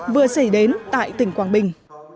vừa xảy đến tại tỉnh quảng bình